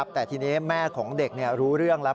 แต่ทีนี้แม่ของเด็กรู้เรื่องแล้ว